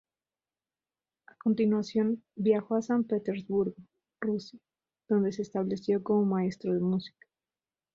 A continuación viajó a San Petersburgo, Rusia, donde se estableció como maestro de música.